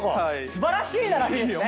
素晴らしい並びですね。